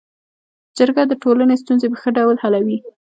جرګه د ټولني ستونزي په ښه ډول حلوي.